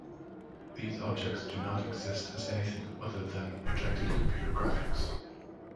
These objects do not exist as anything other than projected computer graphics.